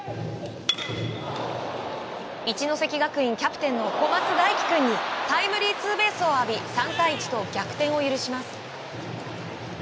一関学院キャプテンの小松大樹君にタイムリーツーベースを浴び３対１と逆転を許します。